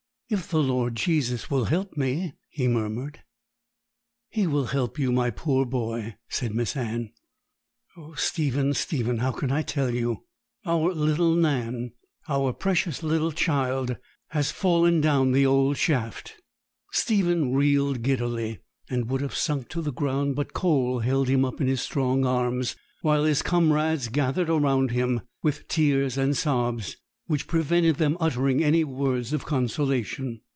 'If the Lord Jesus will help me,' he murmured. 'He will help you, my poor boy,' said Miss Anne 'Oh, Stephen, Stephen, how can I tell you? Our little Nan, our precious little child, has fallen down the old shaft.' Stephen reeled giddily, and would have sunk to the ground, but Cole held him up in his strong arms, while his comrades gathered about him with tears and sobs, which prevented them uttering any words of consolation.